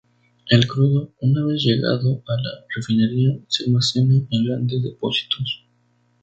El crudo, una vez llegado a la refinería, se almacena en grandes depósitos.